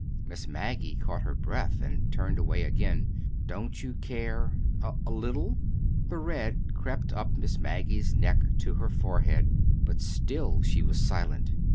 Miss Maggie caught her breath and turned away again. "Don't you care—a little?" The red crept up Miss Maggie's neck to her forehead but still she was silent.